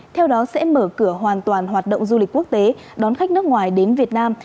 theo đó sẽ mở cửa hoàn toàn hoạt động du lịch quốc tế đón khách nước ngoài đến việt nam